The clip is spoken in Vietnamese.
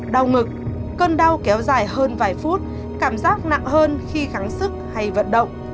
đau ngực cơn đau kéo dài hơn vài phút cảm giác nặng hơn khi gắng sức hay vận động